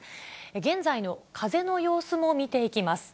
現在の風の様子も見ていきます。